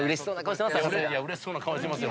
うれしそうな顔してますよ。